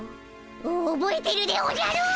おぼえてるでおじゃる！